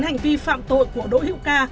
hành vi phạm tội của đỗ hiệu ca